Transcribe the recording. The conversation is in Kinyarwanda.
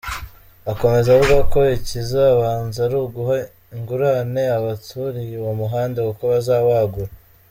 Akomeza avuga ko ikizabanza ari uguha ingurane abaturiye uwo muhanda kuko bazawagura.